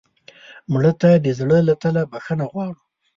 مړه ته د زړه له تله بښنه غواړو